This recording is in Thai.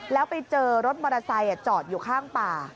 แล้วไปเจอรถมอเตอร์ไซค์จอดอยู่ข้างป่า